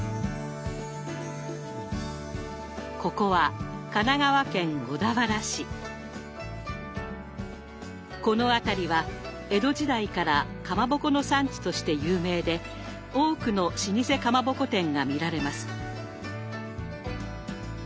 ここはこの辺りは江戸時代からかまぼこの産地として有名で多くの老舗かまぼこ店が見られます。